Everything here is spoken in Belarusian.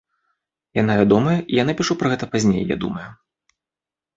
Яна вядомая, і я напішу пра гэта пазней, я думаю.